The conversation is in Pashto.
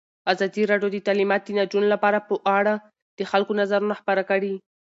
ازادي راډیو د تعلیمات د نجونو لپاره په اړه د خلکو نظرونه خپاره کړي.